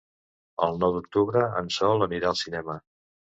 El nou d'octubre en Sol anirà al cinema.